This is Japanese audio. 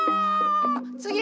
つぎ。